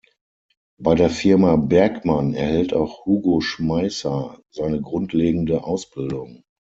Bei der Firma Bergmann erhält auch Hugo Schmeisser seine grundlegende Ausbildung.